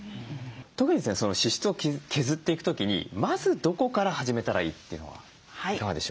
特に支出を削っていく時にまずどこから始めたらいいっていうのはいかがでしょうか？